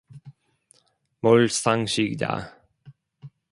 몰상식이다.